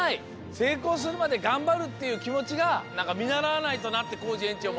せいこうするまでがんばるっていうきもちがなんかみならわないとなってコージえんちょうもおもいました。